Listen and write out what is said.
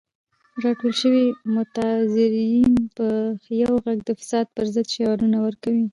راټول شوي معترضین په یو غږ د فساد پر ضد شعارونه ورکوي.